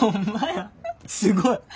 すごい！